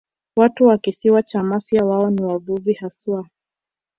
Watu wa Kisiwa cha Mafia wao ni wavuvi haswa